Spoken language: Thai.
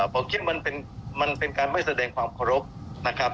ผมคิดมันเป็นการไม่แสดงความโครบ